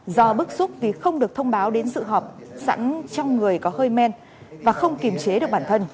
do bức xúc vì không được thông báo đến sự họp sẵn trong người có hơi men và không kiềm chế được bản thân